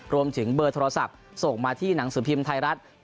รวมถึงเบอร์โทรศัพท์ส่งมาที่หนังสือพิมพ์ไทยรัฐ